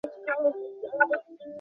আজ তাঁহার শরীরে কোনো গ্লানি নাই।